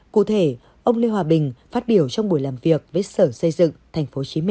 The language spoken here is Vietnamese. cụ thể ông lê hòa bình phát biểu trong buổi làm việc với sở xây dựng tp hcm